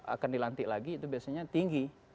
akan dilantik lagi itu biasanya tinggi